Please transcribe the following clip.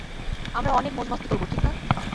আমরা অনেক মৌজ-মাস্তি করব, ঠিক না?